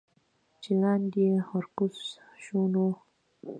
چې لاندې ورکوز شو نو